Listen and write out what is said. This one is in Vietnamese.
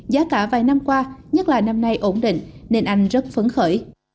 giá cả vài năm qua nhất là năm nay ổn định nên anh rất phấn khởi